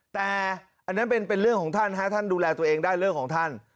แต่อันนั้นเป็นเรื่องของท่านท่านดูแลตัวเองได้เรื่องของท่าน